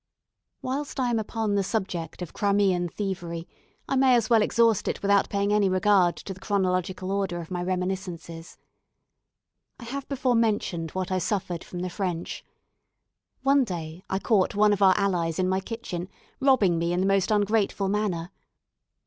Whilst I am upon the subject of Crimean thievery, I may as well exhaust it without paying any regard to the chronological order of my reminiscences. I have before mentioned what I suffered from the French. One day I caught one of our allies in my kitchen, robbing me in the most ungrateful manner.